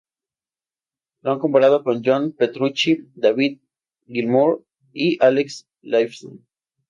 Lo han comparado con John Petrucci, David Gilmour y Alex Lifeson.